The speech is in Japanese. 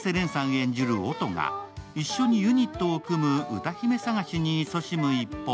演じる音が一緒にユニットを組む歌姫探しにいそしむ一方